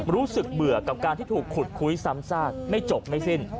รู้สึกเบื่อกับการที่ถูกขุดคุยซ้ำซากไม่จบไม่สิ้น